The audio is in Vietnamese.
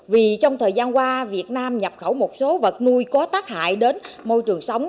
vì trong thời gian qua việt nam nhập khẩu một số vật nuôi có tác hại đến môi trường sống